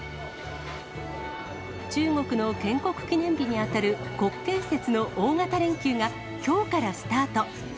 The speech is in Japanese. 中国の建国記念日に当たる国慶節の大型連休がきょうからスタート。